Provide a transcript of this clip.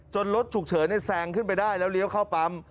รถฉุกเฉินแซงขึ้นไปได้แล้วเลี้ยวเข้าปั๊ม